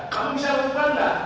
kamu bisa berpenda